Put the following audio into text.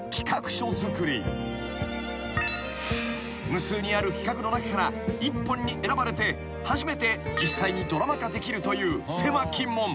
［無数にある企画の中から一本に選ばれて初めて実際にドラマ化できるという狭き門］